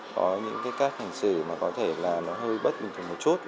có những cái cách hành xử mà có thể là nó hơi bất bình thường một chút